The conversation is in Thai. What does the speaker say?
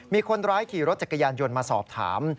มีคนร้ายขี่รถจักรยานยนต์มาสอบถาม